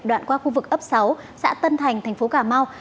đoạn qua khu vực ấp sáu xã tân thành tp cà mau